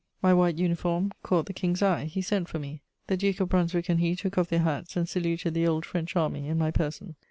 My white uniform caught the King's eye: he sent for me; the Duke of Brunswick and he took off their hats and saluted the old French Army in my person.